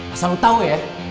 asal lo tau ya